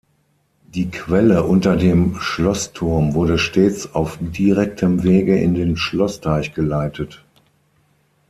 Die Quelle unter dem Schlossturm wurde stets auf direktem Wege in den Schlossteich geleitet.